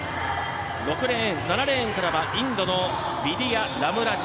７レーンからは、インドのヴィディヤ・ラムラジ。